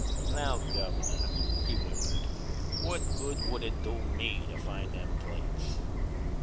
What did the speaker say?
"'Now, Governor,' he whimpered, 'what good would it do me to find them plates?'